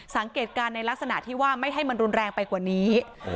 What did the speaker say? สังเกตการณ์ในลักษณะที่ว่าไม่ให้มันรุนแรงไปกว่านี้